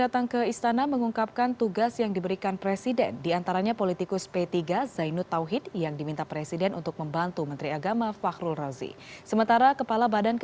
terima kasih pak